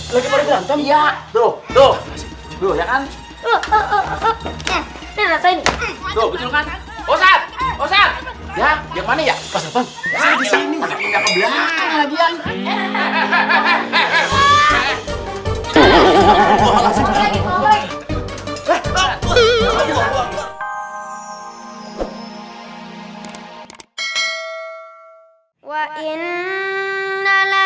lagi pada berantem ya